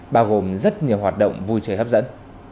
bao gồm rất nhiều hoạt động vui chơi hấp dẫn